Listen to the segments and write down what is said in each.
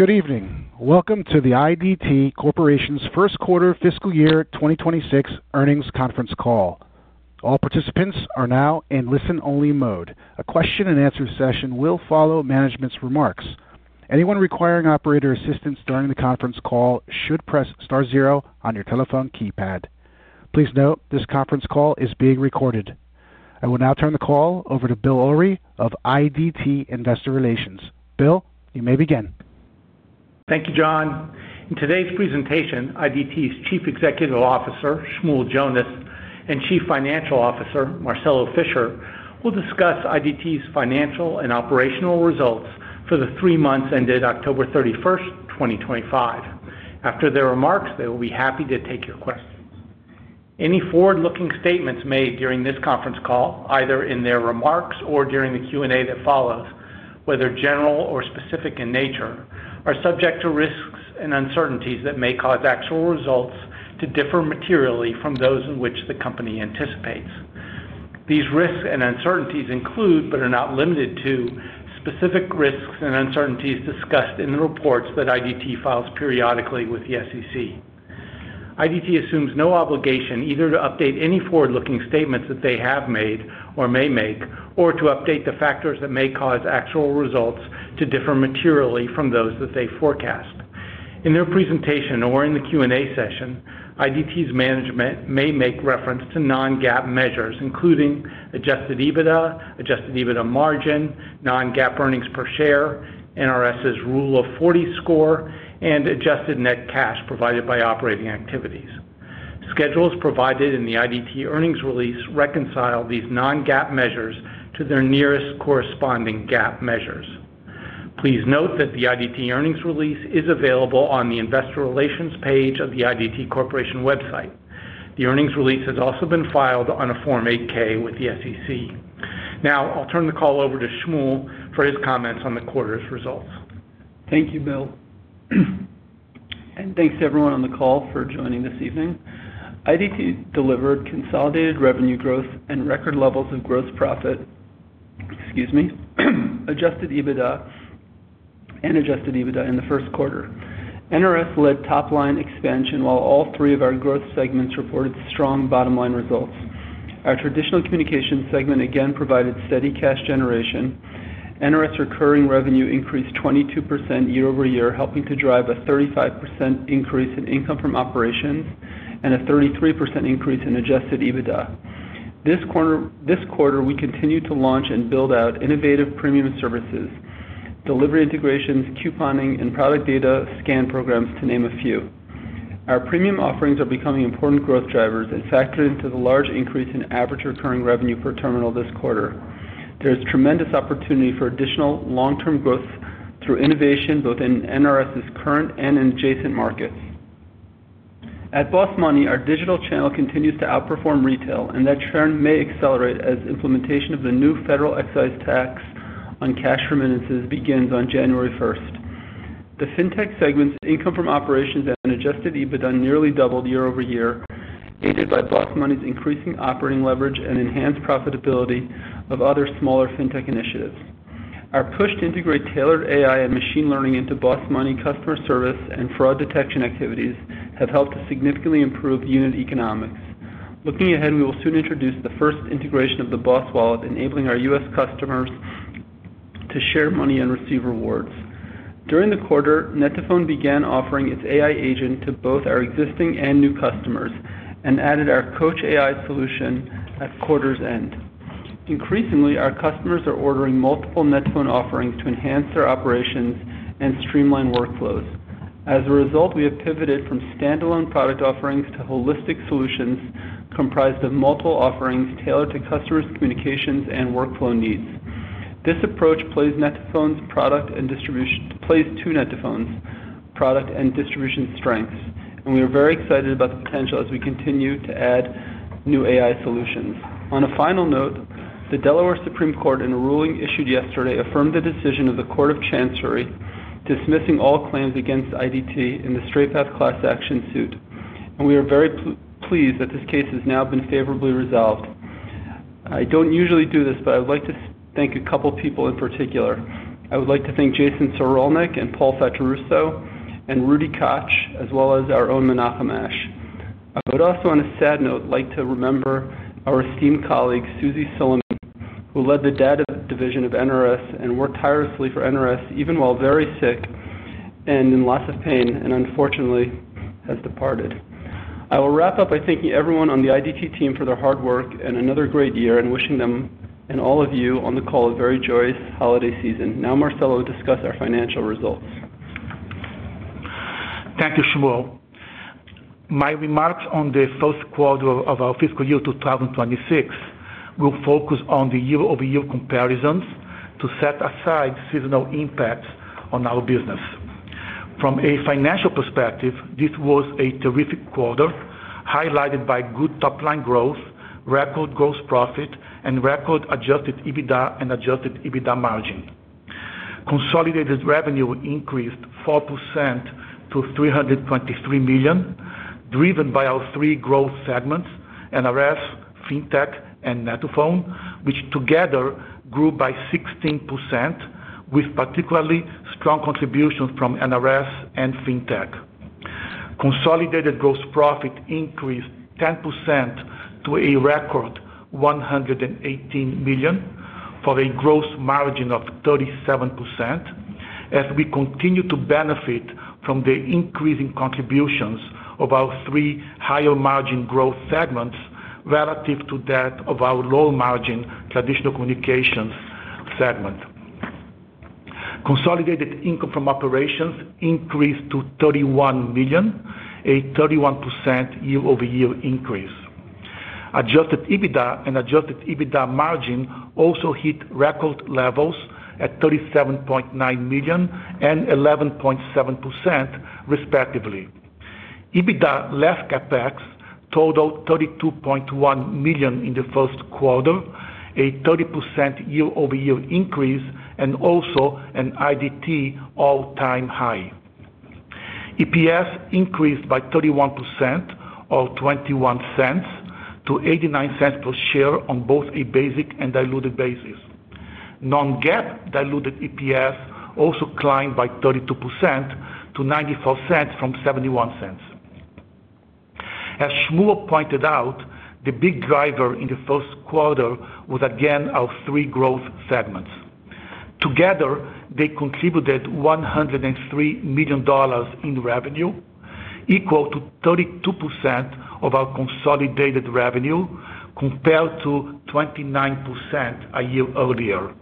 Good evening. Welcome to the IDT Corporation's first quarter fiscal year 2026 earnings conference call. All participants are now in listen-only mode. A question-and-answer session will follow management's remarks. Anyone requiring operator assistance during the conference call should press star zero on your telephone keypad. Please note this conference call is being recorded. I will now turn the call over to Bill Ulrey of IDT Investor Relations. Bill, you may begin. Thank you, John. In today's presentation, IDT's Chief Executive Officer, Shmuel Jonas, and Chief Financial Officer, Marcelo Fischer, will discuss IDT's financial and operational results for the three months ended October 31st, 2025. After their remarks, they will be happy to take your questions. Any forward-looking statements made during this conference call, either in their remarks or during the Q&A that follows, whether general or specific in nature, are subject to risks and uncertainties that may cause actual results to differ materially from those in which the company anticipates. These risks and uncertainties include, but are not limited to, specific risks and uncertainties discussed in the reports that IDT files periodically with the SEC. IDT assumes no obligation either to update any forward-looking statements that they have made or may make, or to update the factors that may cause actual results to differ materially from those that they forecast. In their presentation or in the Q&A session, IDT's management may make reference to Non-GAAP measures, including Adjusted EBITDA, Adjusted EBITDA Margin, Non-GAAP earnings per share, NRS's Rule of 40 score, and adjusted net cash provided by operating activities. Schedules provided in the IDT earnings release reconcile these Non-GAAP measures to their nearest corresponding GAAP measures. Please note that the IDT earnings release is available on the Investor Relations page of the IDT Corporation website. The earnings release has also been filed on a Form 8-K with the SEC. Now, I'll turn the call over to Shmuel for his comments on the quarter's results. Thank you, Bill. And thanks to everyone on the call for joining this evening. IDT delivered consolidated revenue growth and record levels of gross profit, excuse me, Adjusted EBITDA and Adjusted EBITDA in the first quarter. NRS led top-line expansion while all three of our growth segments reported strong bottom-line results. Our traditional communications segment again provided steady cash generation. NRS recurring revenue increased 22% year-over-year, helping to drive a 35% increase in income from operations and a 33% increase in Adjusted EBITDA. This quarter, we continue to launch and build out innovative premium services, delivery integrations, couponing, and product data scan programs, to name a few. Our premium offerings are becoming important growth drivers and factored into the large increase in average recurring revenue per terminal this quarter. There is tremendous opportunity for additional long-term growth through innovation both in NRS's current and in adjacent markets. At BOSS Money, our digital channel continues to outperform retail, and that trend may accelerate as implementation of the new federal excise tax on cash remittances begins on January 1st. The fintech segment's income from operations and Adjusted EBITDA nearly doubled year-over-year, aided by BOSS Money's increasing operating leverage and enhanced profitability of other smaller fintech initiatives. Our push to integrate tailored AI and machine learning into BOSS Money customer service and fraud detection activities have helped to significantly improve unit economics. Looking ahead, we will soon introduce the first integration of the Boss Wallet, enabling our U.S. customers to share money and receive rewards. During the quarter, net2phone began offering its AI Agent to both our existing and new customers and added our Coach AI solution at quarter's end. Increasingly, our customers are ordering multiple net2phone offerings to enhance their operations and streamline workflows. As a result, we have pivoted from standalone product offerings to holistic solutions comprised of multiple offerings tailored to customers' communications and workflow needs. This approach plays to net2phone's product and distribution strengths, and we are very excited about the potential as we continue to add new AI solutions. On a final note, the Delaware Supreme Court in a ruling issued yesterday affirmed the decision of the Court of Chancery dismissing all claims against IDT in the Straight Path Class Action suit, and we are very pleased that this case has now been favorably resolved. I don't usually do this, but I would like to thank a couple of people in particular. I would like to thank Jason Sarouhan and Paul Fetterusso and Rudy Koch, as well as our own Menachem Ash. I would also, on a sad note, like to remember our esteemed colleague, Suzie Sullivan, who led the data division of NRS and worked tirelessly for NRS even while very sick and in lots of pain and unfortunately has departed. I will wrap up by thanking everyone on the IDT team for their hard work and another great year and wishing them and all of you on the call a very joyous holiday season. Now, Marcelo, discuss our financial results. Thank you, Shmuel. My remarks on the first quarter of our fiscal year 2026 will focus on the year-over-year comparisons to set aside seasonal impacts on our business. From a financial perspective, this was a terrific quarter, highlighted by good top-line growth, record gross profit, and record Adjusted EBITDA and Adjusted EBITDA margin. Consolidated revenue increased 4% to $323 million, driven by our three growth segments, NRS, fintech, and net2phone, which together grew by 16%, with particularly strong contributions from NRS and fintech. Consolidated gross profit increased 10% to a record $118 million for a gross margin of 37%, as we continue to benefit from the increasing contributions of our three higher margin growth segments relative to that of our low margin traditional communications segment. Consolidated income from operations increased to $31 million, a 31% year-over-year increase. Adjusted EBITDA and Adjusted EBITDA margin also hit record levels at $37.9 million and 11.7%, respectively. EBITDA less CapEx totaled $32.1 million in the first quarter, a 30% year-over-year increase, and also an IDT all-time high. EPS increased by 31%, or $0.21-$0.89 per share on both a basic and diluted basis. Non-GAAP diluted EPS also climbed by 32% to $0.94 from $0.71. As Shmuel pointed out, the big driver in the first quarter was again our three growth segments. Together, they contributed $103 million in revenue, equal to 32% of our consolidated revenue, compared to 29% a year earlier,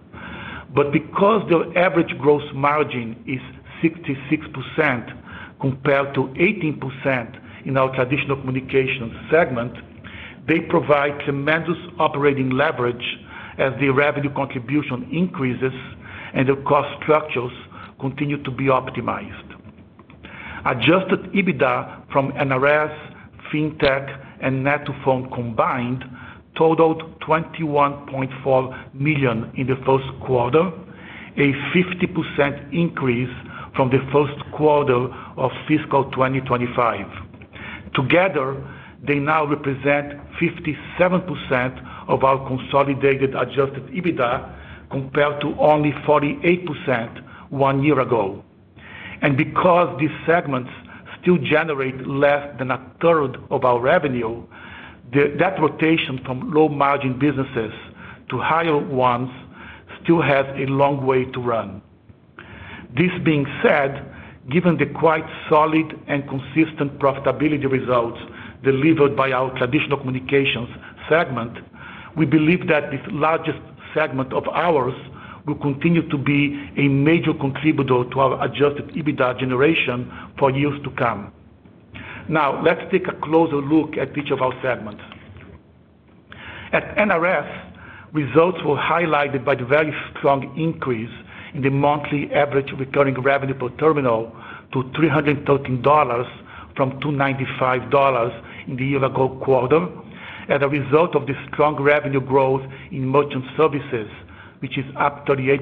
but because their average gross margin is 66% compared to 18% in our traditional communications segment, they provide tremendous operating leverage as the revenue contribution increases and the cost structures continue to be optimized. Adjusted EBITDA from NRS, fintech, and net2phone combined totaled $21.4 million in the first quarter, a 50% increase from the first quarter of fiscal 2025. Together, they now represent 57% of our consolidated Adjusted EBITDA compared to only 48% one year ago, and because these segments still generate less than a third of our revenue, that rotation from low-margin businesses to higher ones still has a long way to run. This being said, given the quite solid and consistent profitability results delivered by our traditional communications segment, we believe that this largest segment of ours will continue to be a major contributor to our Adjusted EBITDA generation for years to come. Now, let's take a closer look at each of our segments. At NRS, results were highlighted by the very strong increase in the monthly average recurring revenue per terminal to $313 from $295 in the year-ago quarter, as a result of the strong revenue growth in merchant services, which is up 38%,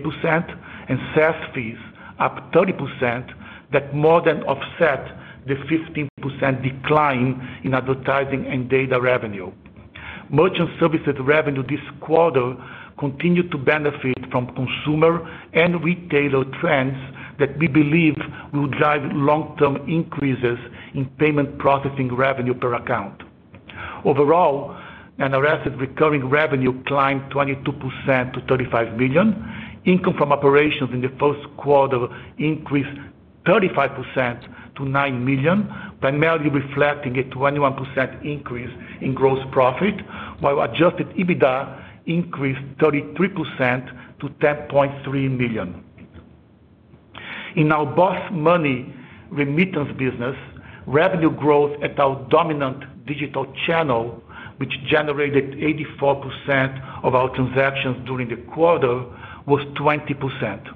and sales fees, up 30%, that more than offset the 15% decline in advertising and data revenue. Merchant services revenue this quarter continued to benefit from consumer and retailer trends that we believe will drive long-term increases in payment processing revenue per account. Overall, NRS's recurring revenue climbed 22% to $35 million. Income from operations in the first quarter increased 35% to $9 million, primarily reflecting a 21% increase in gross profit, while Adjusted EBITDA increased 33% to $10.3 million. In our BOSS Money remittance business, revenue growth at our dominant digital channel, which generated 84% of our transactions during the quarter, was 20%.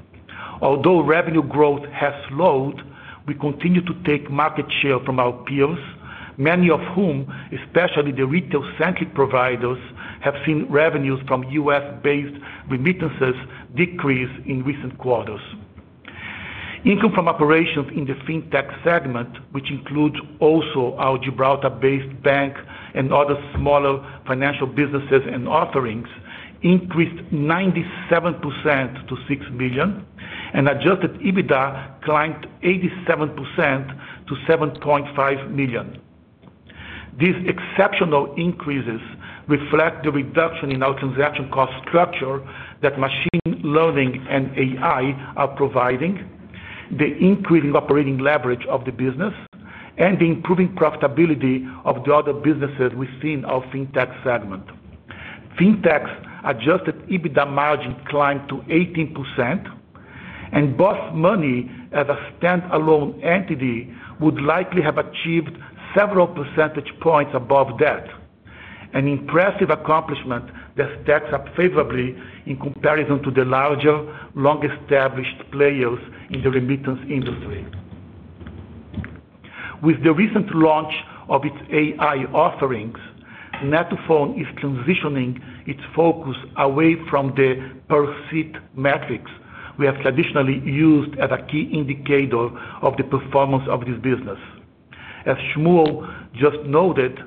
Although revenue growth has slowed, we continue to take market share from our peers, many of whom, especially the retail-centric providers, have seen revenues from U.S.-based remittances decrease in recent quarters. Income from operations in the fintech segment, which includes also our Gibraltar-based bank and other smaller financial businesses and offerings, increased 97% to $6 million, and Adjusted EBITDA climbed 87% to $7.5 million. These exceptional increases reflect the reduction in our transaction cost structure that machine learning and AI are providing, the increase in operating leverage of the business, and the improving profitability of the other businesses within our fintech segment. Fintech's Adjusted EBITDA margin climbed to 18%, and BOSS Money, as a standalone entity, would likely have achieved several percentage points above that, an impressive accomplishment that stacks up favorably in comparison to the larger, long-established players in the remittance industry. With the recent launch of its AI offerings, net2phone is transitioning its focus away from the per-seat metrics we have traditionally used as a key indicator of the performance of this business. As Shmuel just noted,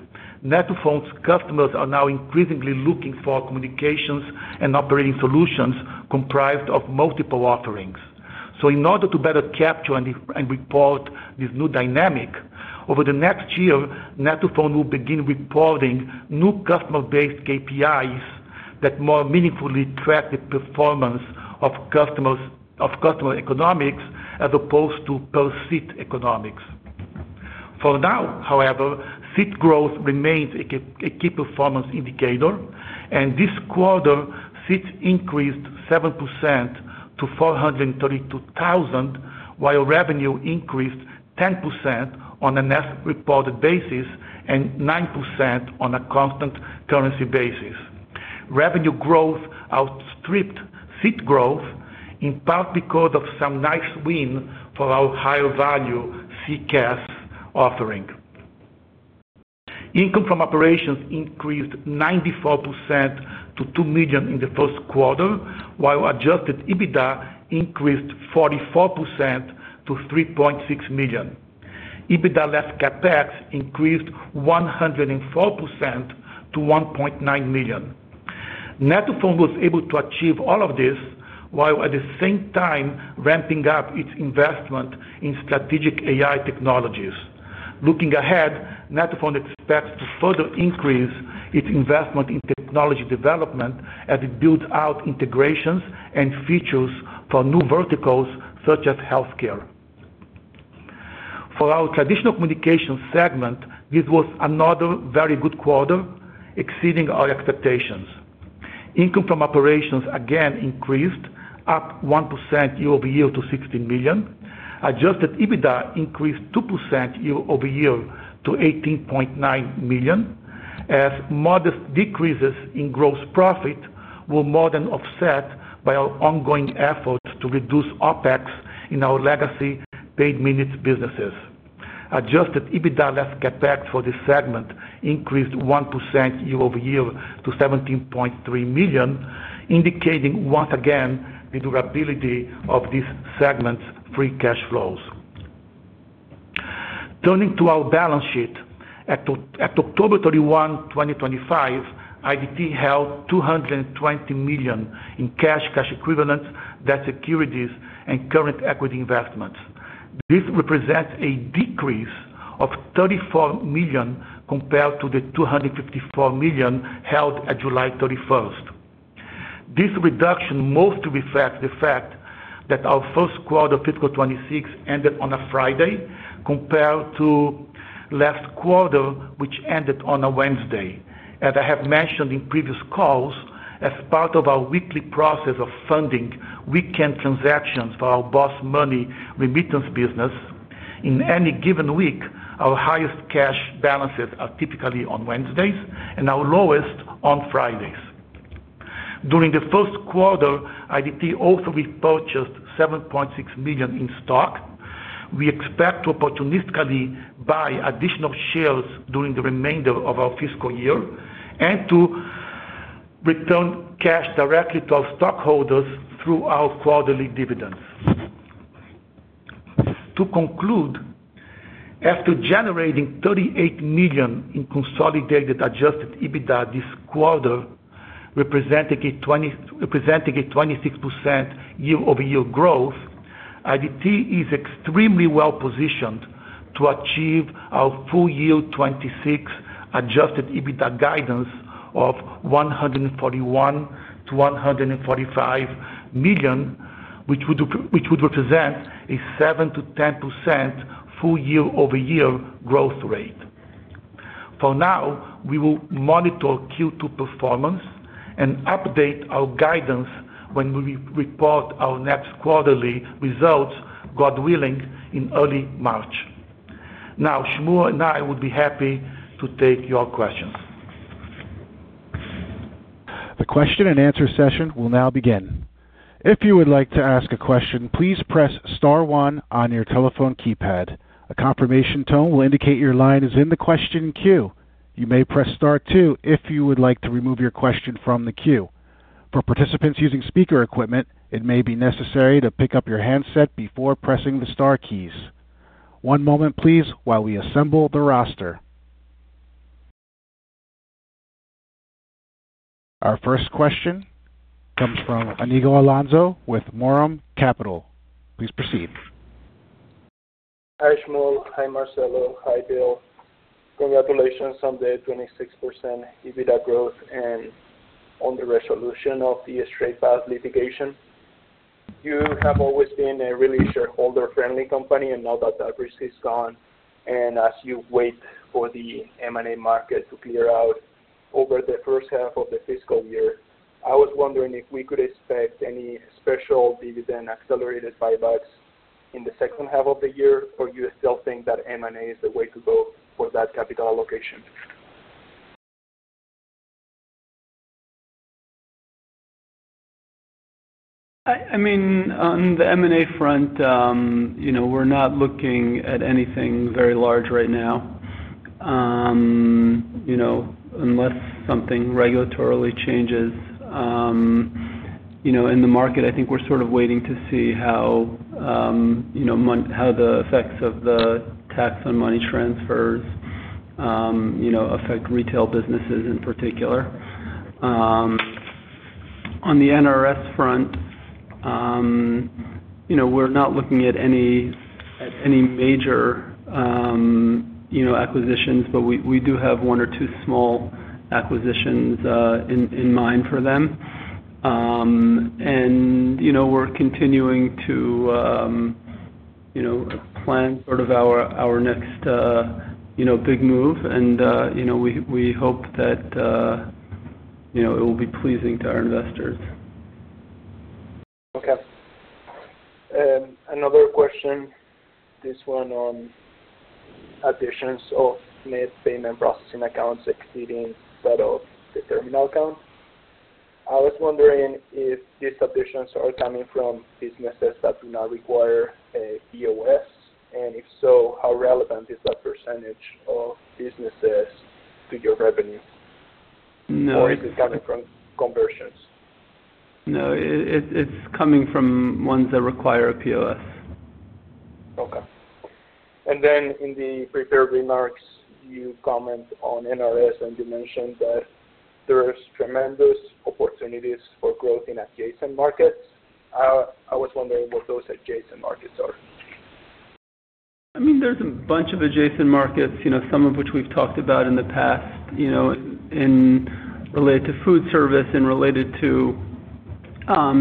net2phone's customers are now increasingly looking for communications and operating solutions comprised of multiple offerings, so in order to better capture and report this new dynamic, over the next year, net2phone will begin reporting new customer-based KPIs that more meaningfully track the performance of customer economics as opposed to per-seat economics. For now, however, seat growth remains a key performance indicator, and this quarter, seats increased 7% to $432,000, while revenue increased 10% on a net reported basis and 9% on a constant currency basis. Revenue growth outstripped seat growth, in part because of some nice win for our higher-value CCaaS offering. Income from operations increased 94% to $2 million in the first quarter, while Adjusted EBITDA increased 44% to $3.6 million. EBITDA less CapEx increased 104% to $1.9 million. Net2phone was able to achieve all of this while at the same time ramping up its investment in strategic AI technologies. Looking ahead, net2phone expects to further increase its investment in technology development as it builds out integrations and features for new verticals such as healthcare. For our traditional communications segment, this was another very good quarter, exceeding our expectations. Income from operations again increased, up 1% year-over-year to $16 million. Adjusted EBITDA increased 2% year-over-year to $18.9 million, as modest decreases in gross profit were more than offset by our ongoing efforts to reduce OpEx in our legacy paid-minutes businesses. Adjusted EBITDA less CapEx for this segment increased 1% year-over-year to $17.3 million, indicating once again the durability of this segment's free cash flows. Turning to our balance sheet, at October 31, 2025, IDT held $220 million in cash, cash equivalents, debt securities, and current equity investments. This represents a decrease of $34 million compared to the $254 million held at July 31. This reduction mostly reflects the fact that our first quarter of fiscal 2026 ended on a Friday compared to last quarter, which ended on a Wednesday. As I have mentioned in previous calls, as part of our weekly process of funding weekend transactions for our BOSS Money remittance business, in any given week, our highest cash balances are typically on Wednesdays and our lowest on Fridays. During the first quarter, IDT also repurchased $7.6 million in stock. We expect to opportunistically buy additional shares during the remainder of our fiscal year and to return cash directly to our stockholders through our quarterly dividends. To conclude, after generating $38 million in consolidated Adjusted EBITDA this quarter, representing a 26% year-over-year growth, IDT is extremely well-positioned to achieve our full year 2026 Adjusted EBITDA guidance of $141 million-$145 million, which would represent a 7%-10% full year-over-year growth rate. For now, we will monitor Q2 performance and update our guidance when we report our next quarterly results, God willing, in early March. ow, Shmuel and I would be happy to take your questions. The question-and-answer session will now begin. If you would like to ask a question, please press star one on your telephone keypad. A confirmation tone will indicate your line is in the question queue. You may press star two if you would like to remove your question from the queue. For participants using speaker equipment, it may be necessary to pick up your handset before pressing the star keys. One moment, please, while we assemble the roster. Our first question comes from Iñigo Alonso with Moram Capital. Please proceed. Hi, Shmuel. Hi, Marcelo. Hi, Bill. Congratulations on the 26% EBITDA growth and on the resolution of the Straight Path litigation. You have always been a really shareholder-friendly company, and now that the overhang is gone and as you wait for the M&A market to clear out over the first half of the fiscal year, I was wondering if we could expect any special dividend accelerated buybacks in the second half of the year, or do you still think that M&A is the way to go for that capital allocation? I mean, on the M&A front, we're not looking at anything very large right now, unless something regulatorily changes. In the market, I think we're sort of waiting to see how the effects of the tax on money transfers affect retail businesses in particular. On the NRS front, we're not looking at any major acquisitions, but we do have one or two small acquisitions in mind for them, and we're continuing to plan sort of our next big move, and we hope that it will be pleasing to our investors. Okay. Another question, this one on additions of net payment processing accounts exceeding that of the terminal account. I was wondering if these additions are coming from businesses that do not require a POS, and if so, how relevant is that percentage of businesses to your revenue? Or is it coming from conversions? No. It's coming from ones that require a POS. Okay, and then in the prepared remarks, you comment on NRS, and you mentioned that there are tremendous opportunities for growth in adjacent markets. I was wondering what those adjacent markets are. I mean, there's a bunch of adjacent markets, some of which we've talked about in the past, related to food service and related to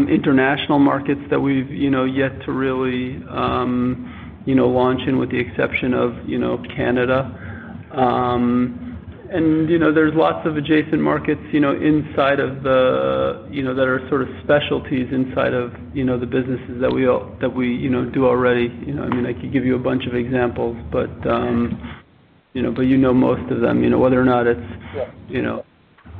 international markets that we've yet to really launch in, with the exception of Canada, and there's lots of adjacent markets inside of the U.S. that are sort of specialties inside of the businesses that we do already. I mean, I could give you a bunch of examples, but you know most of them, whether or not it's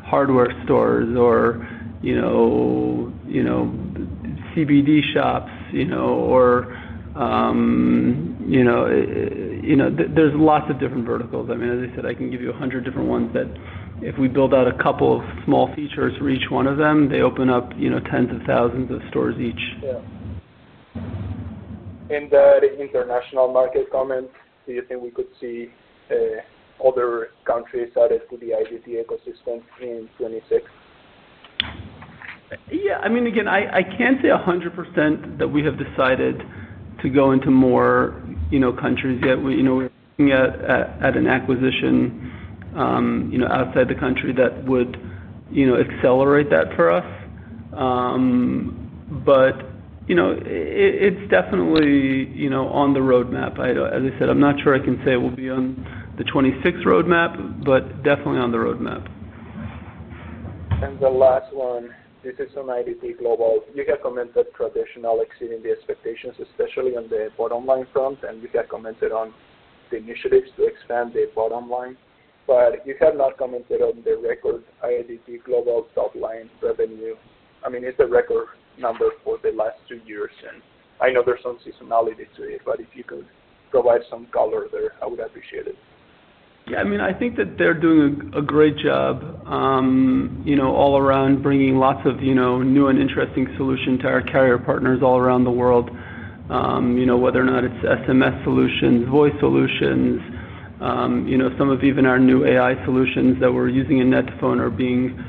hardware stores or CBD shops or there's lots of different verticals. I mean, as I said, I can give you 100 different ones, but if we build out a couple of small features for each one of them, they open up tens of thousands of stores each. Yeah. In the international market comments, do you think we could see other countries added to the IDT ecosystem in 2026? Yeah. I mean, again, I can't say 100% that we have decided to go into more countries. We're looking at an acquisition outside the country that would accelerate that for us. But it's definitely on the roadmap. As I said, I'm not sure I can say it will be on the 2026 roadmap, but definitely on the roadmap. And the last one, this is on IDT Global. You have commented traditional exceeding the expectations, especially on the bottom line front, and you have commented on the initiatives to expand the bottom line. But you have not commented on the record IDT Global top line revenue. I mean, it's a record number for the last two years, and I know there's some seasonality to it, but if you could provide some color there, I would appreciate it. Yeah. I mean, I think that they're doing a great job all around bringing lots of new and interesting solutions to our carrier partners all around the world, whether or not it's SMS solutions, voice solutions, some of even our new AI solutions that we're using in net2phone are being,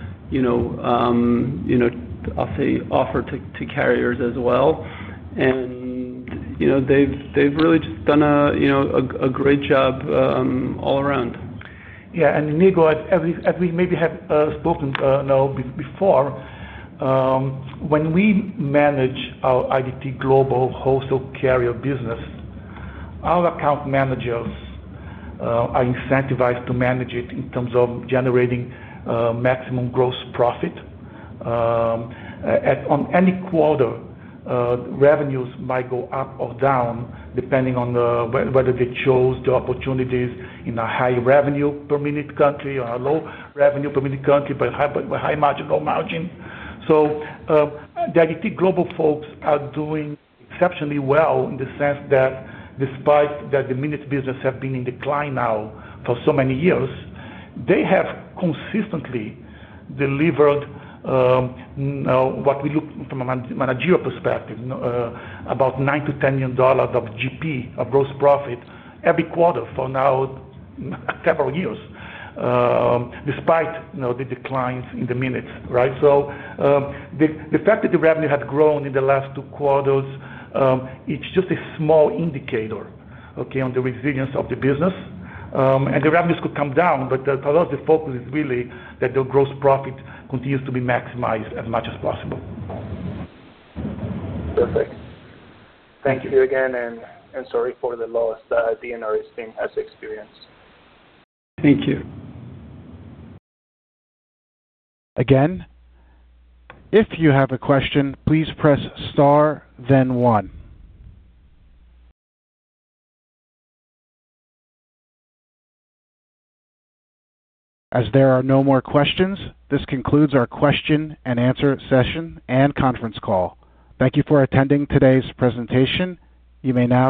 I'll say, offered to carriers as well. And they've really just done a great job all around. Yeah. And Iñigo, as we maybe have spoken now before, when we manage our IDT Global wholesale carrier business, our account managers are incentivized to manage it in terms of generating maximum gross profit. In any quarter, revenues might go up or down depending on whether they chose the opportunities in a high revenue-per-minute country or a low revenue-per-minute country but high marginal margin. So the IDT Global folks are doing exceptionally well in the sense that despite the minute business have been in decline now for so many years, they have consistently delivered what we look from a managerial perspective, about $9 million-$10 million of GP, of gross profit, every quarter for now several years, despite the declines in the minutes, right? So the fact that the revenue had grown in the last two quarters, it's just a small indicator, okay, on the resilience of the business. Revenues could come down, but for us, the focus is really that the gross profit continues to be maximized as much as possible. Perfect. Thank you again, and sorry for the loss that the NRS team has experienced. Thank you. Again, if you have a question, please press star, then one. As there are no more questions, this concludes our question-and-answer session and conference call. Thank you for attending today's presentation. You may now.